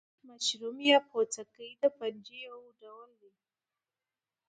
مشروم د فنجي یو ډول دی